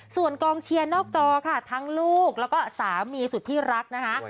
ส่วนกองเชียร์นอกจอค่ะทั้งลูกแล้วก็สามีสุดที่รักนะคะ